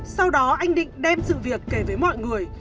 sau đó anh định đem sự việc kể với mọi người